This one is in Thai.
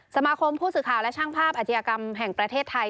สมาคมผู้สื่อข่าวและช่างภาพอาชญากรรมแห่งประเทศไทย